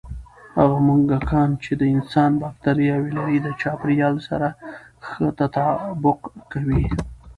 هغه موږکان چې د انسان بکتریاوې لري، د چاپېریال سره ښه تطابق کوي.